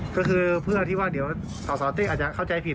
ก็คือเพื่อที่ว่าเดี๋ยวสสเต้อาจจะเข้าใจผิด